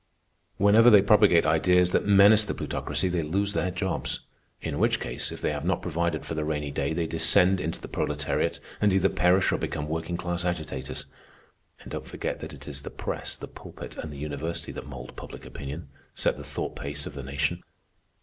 Whenever they propagate ideas that menace the Plutocracy, they lose their jobs, in which case, if they have not provided for the rainy day, they descend into the proletariat and either perish or become working class agitators. And don't forget that it is the press, the pulpit, and the university that mould public opinion, set the thought pace of the nation.